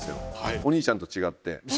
お兄ちゃんと違って。